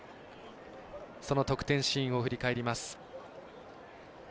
得点シーンを振り返ります。